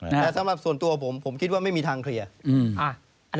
แต่สำหรับส่วนตัวผมผมคิดว่าไม่มีทางเคลียร์